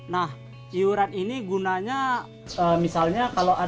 nah iuran ini gunanya